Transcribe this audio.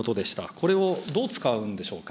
これをどう使うんでしょうか。